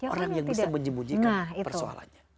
orang yang bisa menyembunyikan persoalannya